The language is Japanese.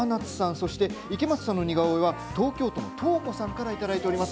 そして、池松さんの似顔絵は東京都の、とうこさんからいただいております。